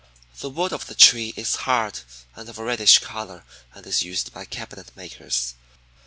The wood of the tree is hard and of a reddish color, and is used by cabinet makers.